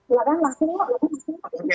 silahkan langsung yuk